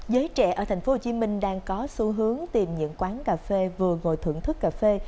giới trẻ ở tp hcm đang có xu hướng tìm những quán cà phê vừa ngồi thưởng thức cà phê